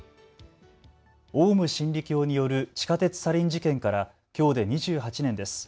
オウム真理教による地下鉄サリン事件からきょうで２８年です。